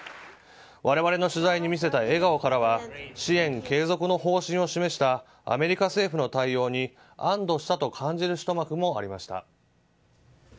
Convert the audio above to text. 我々の取材に見せた笑顔からは支援継続の方針を示したアメリカ政府の対応に安堵したと感じるひと幕もありました。